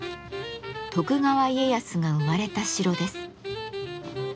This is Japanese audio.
徳川家康が生まれた城です。